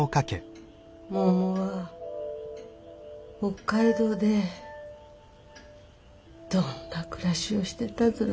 ももは北海道でどんな暮らしをしてたずら。